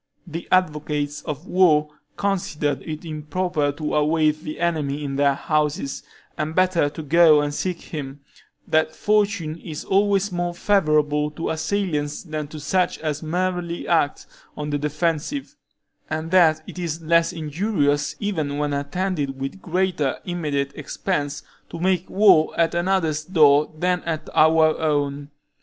The advocates of war considered it improper to await the enemy in their houses, and better to go and seek him; that fortune is always more favorable to assailants than to such as merely act on the defensive, and that it is less injurious, even when attended with greater immediate expense, to make war at another's door than at our own.